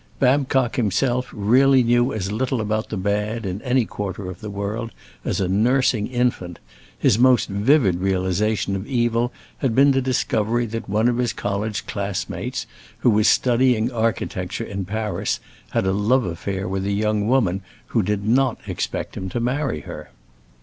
Babcock himself really knew as little about the bad, in any quarter of the world, as a nursing infant, his most vivid realization of evil had been the discovery that one of his college classmates, who was studying architecture in Paris had a love affair with a young woman who did not expect him to marry her.